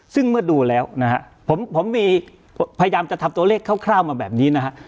ซึ่งเมื่อดูแล้วผมพยายามจะทำตัวเลขคร่าวมาแบบนี้